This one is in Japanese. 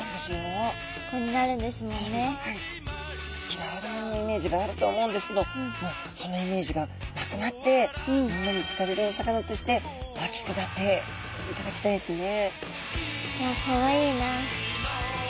嫌われ者のイメージがあるとは思うんですけどもうそのイメージがなくなってみんなに好かれるお魚として大きくなっていただきたいですね。